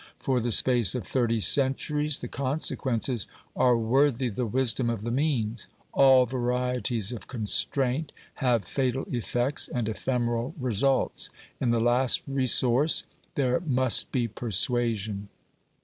For the space of thirty centuries the consequences are worthy the wisdom of the means. All varieties of constraint have fatal effects and ephemeral results; in the last resource there must be persuasion.